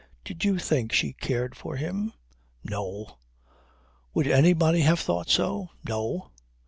Did you think she cared for him? No! Would anybody have thought so? No!